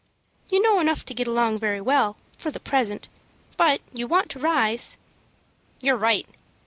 "You know enough to get along very well for the present, but you want to rise." "You're right.